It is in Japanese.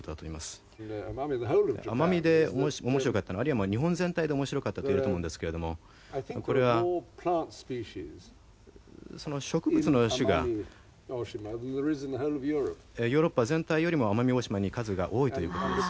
奄美で面白かったのはあるいは日本全体で面白かったと言えると思うんですけれどもこれはその植物の種がヨーロッパ全体よりも奄美大島に数が多いという事です。